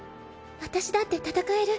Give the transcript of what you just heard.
私だって戦える。